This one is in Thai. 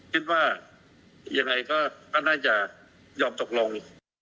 คิดว่ายังไงก็น่าจะยอมตกลง